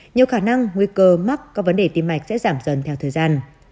nhiều khả năng nguy cơ mắc các vấn đề tim mạch sẽ giảm dần theo thời gian